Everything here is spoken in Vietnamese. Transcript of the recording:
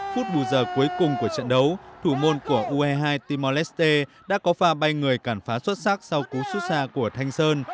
phút bù giờ cuối cùng của trận đấu thủ môn của ue hai timor leste đã có pha bay người cản phá xuất sắc sau cú xuất xa của thanh sơn